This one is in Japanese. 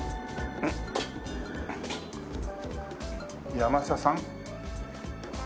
山佐さん？